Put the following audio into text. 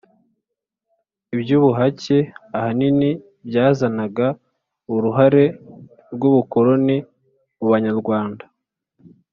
iby'ubuhake ahanini bya zanaga uruhare rw'ubukoloni mu banyarwanda